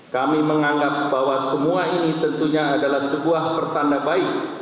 kami menganggap bahwa semua ini tentunya adalah sebuah pertanda baik